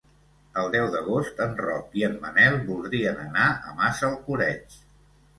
El deu d'agost en Roc i en Manel voldrien anar a Massalcoreig.